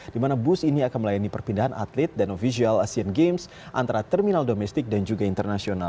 di mana bus ini akan melayani perpindahan atlet dan ofisial asian games antara terminal domestik dan juga internasional